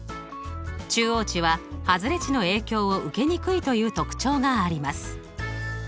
中央値は外れ値の影響を受けにくいという特徴があります。